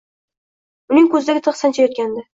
Uning ko‘zidagi tig‘ sanchayotgandi.